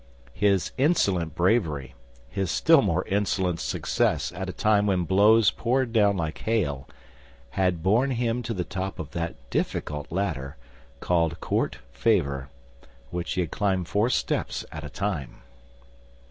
His insolent bravery, his still more insolent success at a time when blows poured down like hail, had borne him to the top of that difficult ladder called Court Favor, which he had climbed four steps at a time.